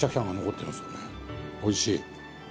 おいしい。